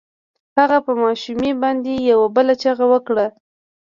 هغه په ماشومې باندې يوه بله چيغه وکړه.